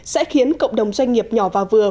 sẽ khiến cộng đồng doanh nghiệp nhỏ và vừa